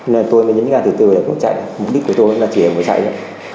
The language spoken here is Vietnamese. nên tôi mới nhấn ga từ từ để bỏ chạy mục đích của tôi là chỉ là bỏ chạy thôi